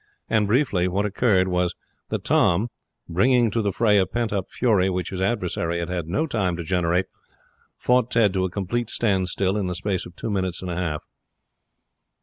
And, briefly, what occurred was that Tom, bringing to the fray a pent up fury which his adversary had had no time to generate, fought Ted to a complete standstill in the space of two minutes and a half.